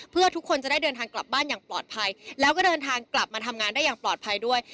เพื่อทุกคนจะได้เดินทางกลับบ้านอย่างปลอดภัยแล้วก็เดินทางกลับมาทำงานได้อย่างปลอดภัยด้วย